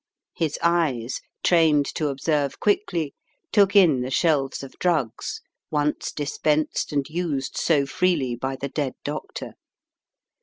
His eyes, trained to observe quickly, took in the shelves of drugs, once dispensed and used so freely by the dead doctor.